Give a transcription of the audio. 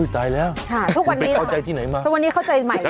ใจแล้วตอนนี้เข้าใจหมาย